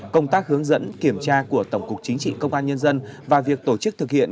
công tác hướng dẫn kiểm tra của tổng cục chính trị công an nhân dân và việc tổ chức thực hiện